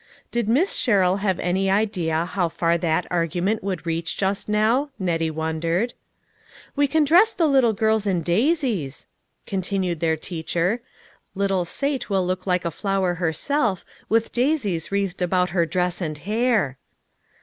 Did Miss Sherrill have any idea how far that argument would reach just now, Nettie won dered. " We can dress the little girls in daisies," con tinued their teacher. " Little Sate will look like a flower herself, with daisies wreathed about her dress and hair."